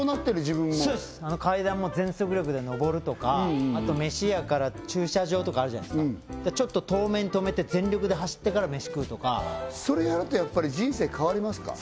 自分も階段も全速力で上るとかあと飯屋から駐車場とかあるじゃないですかちょっと遠目に止めて全力で走ってから飯食うとかそれやるとやっぱり人生変わりますか？